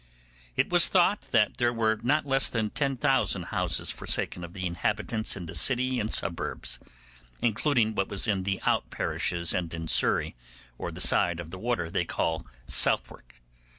It was thought that there were not less than 10,000 houses forsaken of the inhabitants in the city and suburbs, including what was in the out parishes and in Surrey, or the side of the water they called Southwark.